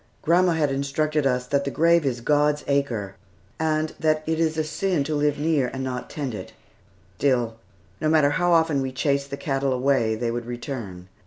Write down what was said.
Grandma had instructed us that the graveyard is "God's acre," and that it is a sin to live near and not tend it. Still, no matter how often we chased the cattle away, they would return.